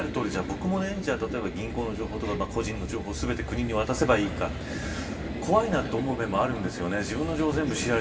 僕も、銀行の情報とか個人の情報を全て国に渡せばいいかというと怖いなと思う面もあるんですよね。